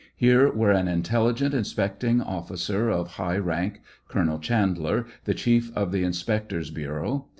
Here were an intelligent inspecting officer of high rank. Colonel Chandler, the chief of the inspector's bureau.